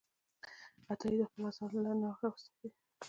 عطایي د خپلو اثارو له لارې نوښت راوستی دی.